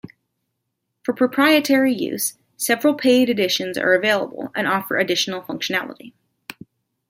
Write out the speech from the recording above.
For proprietary use, several paid editions are available, and offer additional functionality.